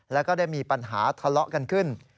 แล้วก็ได้มีปัญหาทะเลาะกันขึ้น